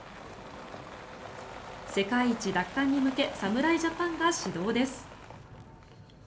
世界一奪還に向け侍ジャパンが始動です。